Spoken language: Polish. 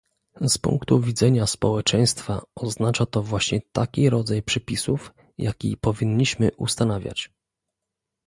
Z punktu widzenia społeczeństwa oznacza to właśnie taki rodzaj przepisów, jaki powinniśmy ustanawiać